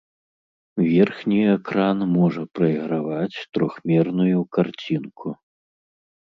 Верхні экран можа прайграваць трохмерную карцінку.